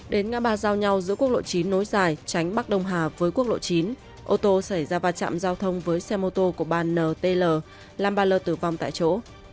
đến ngã ba giao nhau giữa quốc lộ chín nối dài tránh bắc đông hà với quốc lộ chín ô tô xảy ra và chạm giao thông với xe mô tô của bàn ntl năm mươi ba l tử vong tại chỗ